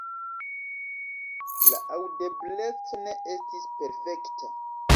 La aŭdebleco ne estis perfekta.